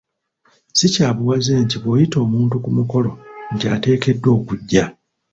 Si kya buwaze nti bw'oyita omuntu ku mukolo nti ateekeddwa okujja.